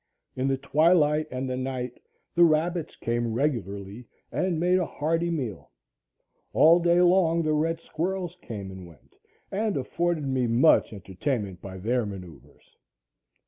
In the twilight and the night the rabbits came regularly and made a hearty meal. All day long the red squirrels came and went, and afforded me much entertainment by their manœuvres.